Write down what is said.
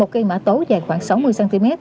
một cây mã tố dài khoảng sáu mươi cm